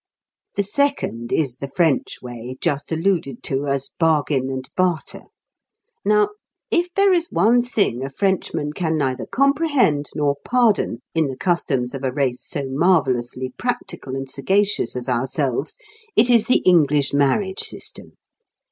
The second is the French way, just alluded to as bargain and barter. Now, if there is one thing a Frenchman can neither comprehend nor pardon in the customs of a race so marvellously practical and sagacious as ourselves, it is the English marriage system.